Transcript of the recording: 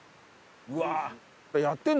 うわ！